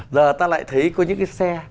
giờ ta lại thấy có những cái xe